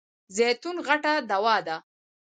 زیتون غټه دوا ده .